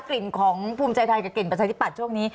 กลิ่นของภูมิใจไทยกับกลิ่นประชาธิปัตย์ช่วงนี้